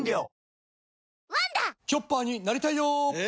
チョッパーになりたいよえ？